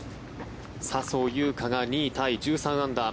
笹生優花が２位タイ１３アンダー。